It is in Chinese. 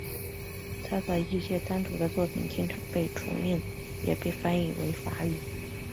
他的一些单独的作品经常被重印也被翻译为外语。